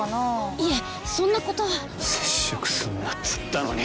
いえそんなことは接触すんなっつったのに！